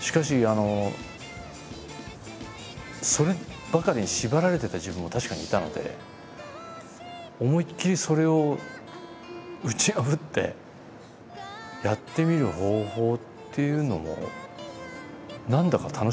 しかしそればかりに縛られてた自分も確かにいたので思いっきりそれを打ち破ってやってみる方法っていうのも何だか楽しみになりました。